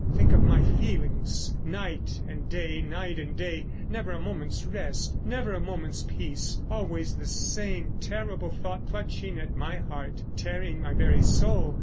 Think of my feelings— night and day, night and day, never a moment's rest—never a moment's peace; always the same terrible thought clutching my heart, tearing my very soul.